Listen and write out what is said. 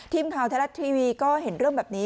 ทีมคลาวแทรกทรีวีก็เห็นเรื่องแบบนี้